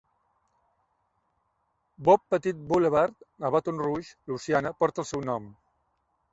"Bob Pettit Boulevard" a Baton Rouge, Louisiana, porta el seu nom.